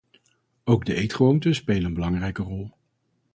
Ook de eetgewoonten spelen een belangrijke rol.